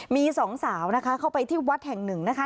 มีสองสาวนะคะเข้าไปที่วัดแห่งหนึ่งนะคะ